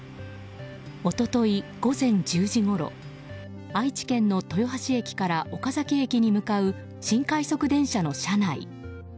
一昨日、午前１０時ごろ愛知県の豊橋駅から岡崎駅に向かう新快速電車の車内。